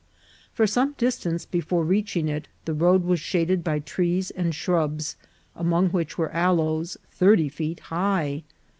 For some distance before reaching it the road was shaded by trees and shrubs, among which were aloes thirty feet high.